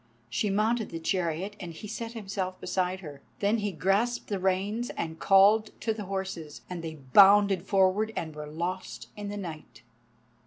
She mounted the chariot, and he set himself beside her. Then he grasped the reins and called to the horses, and they bounded forward and were lost in the night.